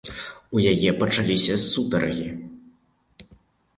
У яе пачаліся сутаргі.